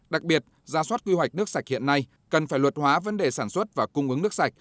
đặc biệt gia soát quy hoạch nước sạch hiện nay cần phải luật hóa vấn đề sản xuất và cung ứng nước sạch